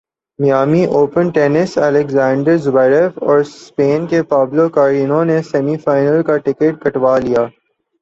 Miami Open tennis Alexander Xavier اورسپین کے Pablo Carreno نے سیمی فائنل کا ٹکٹ کٹوا لیا